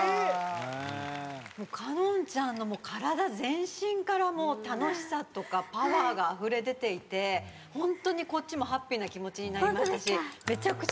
香音ちゃんの体全身から楽しさとかパワーがあふれ出ていてホントにこっちもハッピーな気持ちになりましたしめちゃくちゃ。